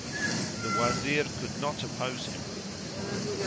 And the Wazir could not oppose him.